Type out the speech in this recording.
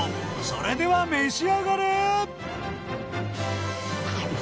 それでは召し上がれカニ